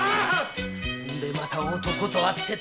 昨夜また男と会ってた。